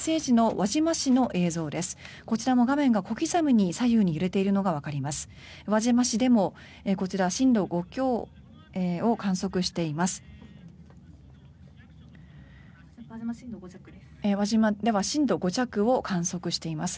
輪島市でも震度５弱を観測しています。